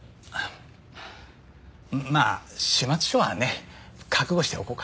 まあ始末書はね覚悟しておこうか。